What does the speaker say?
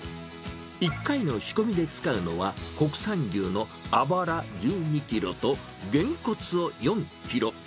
１回の仕込みで使うのは国産牛のアバラ１２キロと、ゲンコツを４キロ。